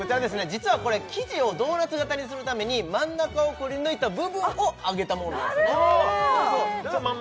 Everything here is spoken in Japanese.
実はこれ生地をドーナツ形にするために真ん中をくり抜いた部分を揚げたものなんですあっ